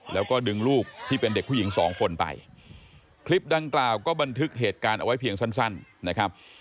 แล้วก็ดึงลูกที่เป็นเด็กผู้หญิงสองคนไปคลิปดังกล่าวก็บันทึกเหตุการณ์เอาไว้เพียงสั้นนะครับ